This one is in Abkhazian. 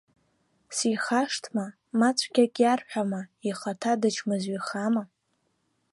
Сихашҭма, ма цәгьак иарҳәама, ихаҭа дычмазаҩхама?